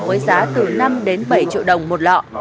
với giá từ năm đến bảy triệu đồng một lọ